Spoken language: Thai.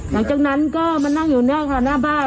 หลังจากนั้นก็มานั่งอยู่เนี่ยค่ะหน้าบ้าน